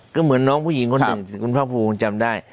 ก็เหมือนน้องผู้หญิงคนหนึ่งคุณภาคภูมิคุณจำได้